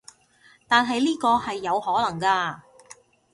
但係呢個係有可能㗎